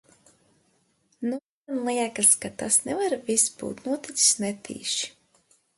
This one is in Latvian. Nu, man liekas, ka tas nevar vis būt noticis netīši.